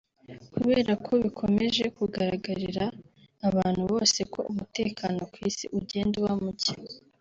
Kubera ko bikomeje kugaragarira abantu bose ko umutekano ku isi ugenda uba muke